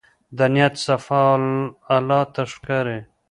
د نیت صفا الله ته ښکاري.